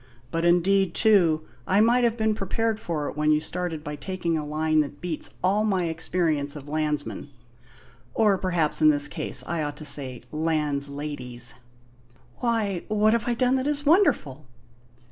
"But, indeed, too, I might have been prepared for it when you started by taking a line that beats all my experience of landsmen; or perhaps in this case I ought to say lands_ladies_." "Why, what have I done that is wonderful?"